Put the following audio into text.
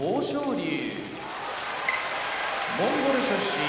龍モンゴル出身